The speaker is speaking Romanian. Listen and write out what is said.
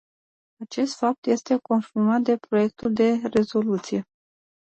Acest fapt este confirmat de proiectul de rezoluție.